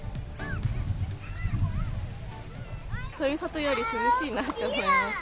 富里より涼しいなと思いました。